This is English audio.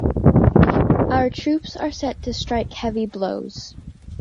Our troops are set to strike heavy blows.